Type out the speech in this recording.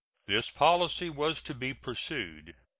This policy was to be pursued.